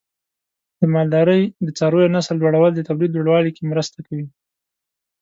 د مالدارۍ د څارویو نسل لوړول د تولید لوړوالي کې مرسته کوي.